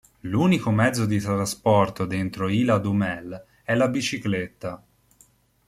L'unico mezzo di trasporto dentro Ilha do Mel è la bicicletta.